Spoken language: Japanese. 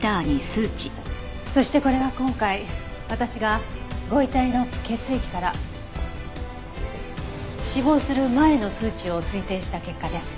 そしてこれが今回私がご遺体の血液から死亡する前の数値を推定した結果です。